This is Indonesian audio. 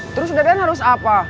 terus udadan harus apa